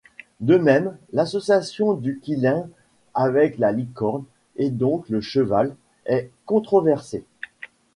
De même, l'association du qilin avec la licorne, et donc le cheval, est controversée.